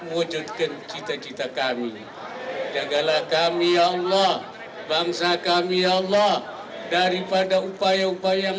mewujudkan cita cita kami jagalah kami allah bangsa kami allah daripada upaya upaya yang